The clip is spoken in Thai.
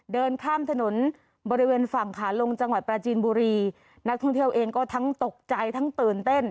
เดินข้ามถนนบริเวณฝั่งขาลงจังหวัดปราจีนบุรีนักท่องเที่ยวเองก็ทั้งตกใจทั้งตื่นเต้น